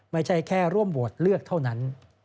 ไม่ใช่แค่ร่วมโหวตเลือกเท่านั้น